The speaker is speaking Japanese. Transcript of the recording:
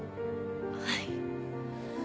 はい。